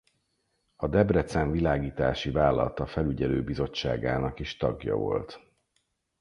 A debrecen világítási vállalata felügyelő bizottságának is tagja volt.